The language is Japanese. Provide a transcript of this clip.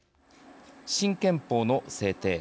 新憲法の制定